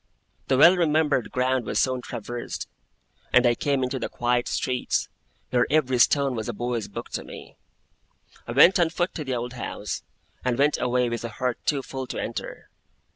The well remembered ground was soon traversed, and I came into the quiet streets, where every stone was a boy's book to me. I went on foot to the old house, and went away with a heart too full to enter.